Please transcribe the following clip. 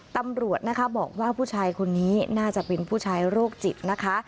ตำรวจนะคะบอกว่าผู้ชายคนนี้น่าจะเป็นผู้ชายโรคจิตนะคะ